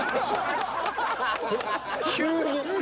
急に。